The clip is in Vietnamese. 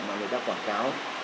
mà người ta quảng cáo